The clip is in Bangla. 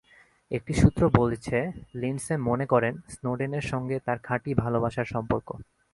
একটি সূত্র বলেছে, লিন্ডসে মনে করেন, স্নোডেনের সঙ্গে তাঁর খাঁটি ভালোবাসার সম্পর্ক।